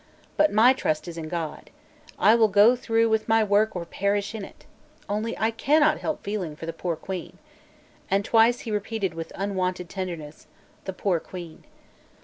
"But my trust is in God. I will go through with my work or perish in it. Only I cannot help feeling for the poor Queen;" and twice he repeated with unwonted tenderness, "the poor Queen."